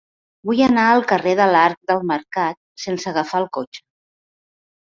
Vull anar al carrer de l'Arc del Mercat sense agafar el cotxe.